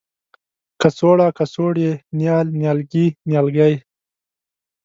کڅوړه ، کڅوړې ،نیال، نيالګي، نیالګی